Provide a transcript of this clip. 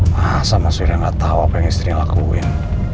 masa mas wira gak tau apa yang istrinya lakuin